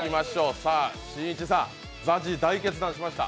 しんいちさん、ＺＡＺＹ、大決断しました。